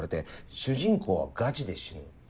「主人公はガチで死ぬ」。